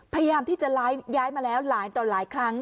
พยายามที่จะย้ายมาแล้วหลายต่อหลายครั้ง